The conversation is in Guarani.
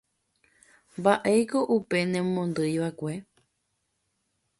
Mbaʼéiko upe nemondýivaʼekue.